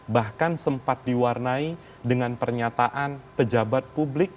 bahkan sempat diwarnai dengan pernyataan pejabat publik